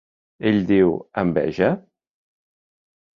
Ell diu: —Enveja?